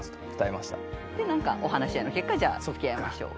でなんかお話し合いの結果じゃあつきあいましょう。